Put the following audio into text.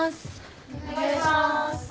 お願いします。